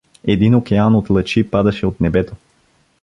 Един океан от лъчи падаше от небето.